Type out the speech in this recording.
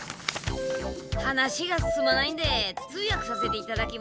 話が進まないんで通訳させていただきます。